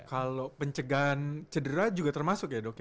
kalau pencegahan cedera juga termasuk ya dokter